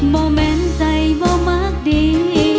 บ่เหมือนใจบ่มากดี